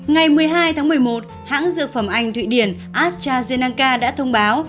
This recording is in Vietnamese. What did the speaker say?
ngày một mươi hai tháng một mươi một hãng dược phẩm anh thụy điển astrazeneca đã thông báo